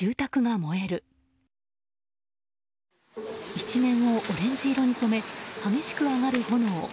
一面をオレンジ色に染め激しく上がる炎。